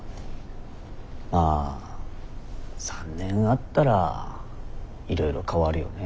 まあ３年あったらいろいろ変わるよね。